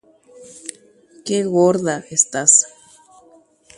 ajépa nde kyraite